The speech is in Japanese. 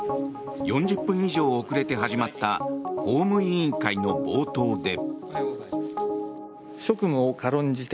４０分以上遅れて始まった法務委員会の冒頭で。